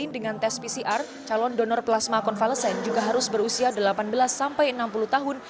dengan tes pcr calon donor plasma konvalesen juga harus berusia delapan belas sampai enam puluh tahun